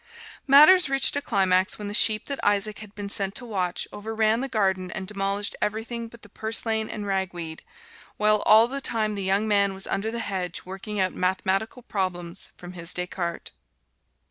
Matters reached a climax when the sheep that Isaac had been sent to watch, overran the garden and demolished everything but the purslane and ragweed, while all the time the young man was under the hedge working out mathematical problems from his Descartes.